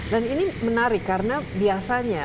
dan ini menarik karena biasanya